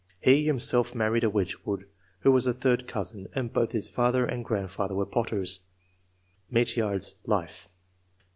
He himself married a Wedgewood, who was a third cousin, and both his father and grandfather were potters. (Mete yard's "Life.")